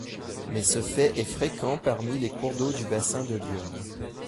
Mais ce fait est fréquent parmi les cours d'eau du bassin de l'Yonne.